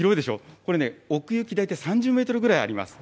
これね、奥行き大体３０メートルぐらいあります。